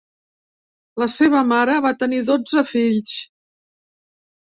La seva mare va tenir dotze fills.